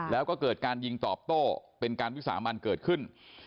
แล้วก็เกิดการยิงตอบโต้เป็นการวิสามันเกิดขึ้น